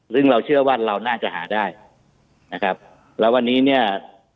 ซึ่งเราเชื่อว่าเราน่าจะหาได้นะครับแล้ววันนี้เนี่ย